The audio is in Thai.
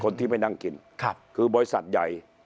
คนที่ไม่นั่งกินคือบริษัทใหญ่